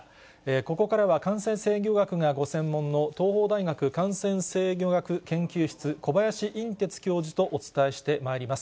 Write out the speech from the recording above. ここからは感染制御学がご専門の東邦大学感染制御学研究室、小林寅てつ教授とお伝えしてまいります。